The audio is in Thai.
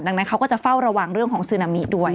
ดังนั้นเขาก็จะเฝ้าระวังเรื่องของซึนามิด้วย